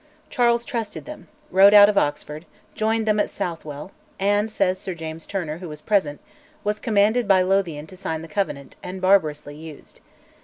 Charles trusted them, rode out of Oxford, joined them at Southwell, and, says Sir James Turner, who was present, was commanded by Lothian to sign the Covenant, and "barbarously used."